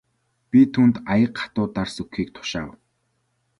Би түүнд аяга хатуу дарс өгөхийг тушаав.